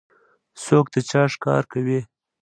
څوک د چا ښکار کوي؟